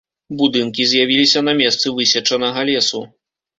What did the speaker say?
Будынкі з'явіліся на месцы высечанага лесу.